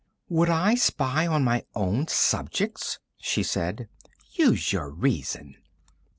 "Would I spy on my own subjects?" she said. "Use your reason!"